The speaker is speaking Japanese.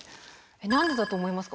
何でだと思いますか？